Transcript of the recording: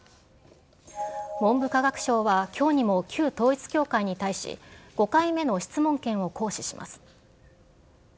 文部科学省はきょうにも、旧統一教会に対し、５回目の質問権を行使します。